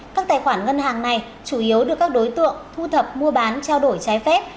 các tài khoản ngân hàng này chủ yếu được các đối tượng thu thập mua bán trao đổi trái phép